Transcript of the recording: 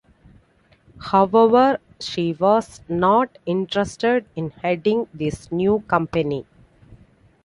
However, she was not interested in heading this new company.